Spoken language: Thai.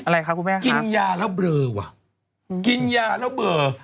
อะไรคะคุณแม่กินยาแล้วเบลอว่ะกินยาแล้วเบลอ